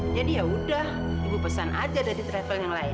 jadi yaudah ibu pesan aja dari travel yang lain